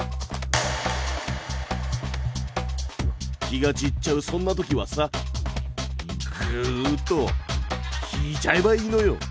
気が散っちゃうそんな時はさぐっと引いちゃえばいいのよ。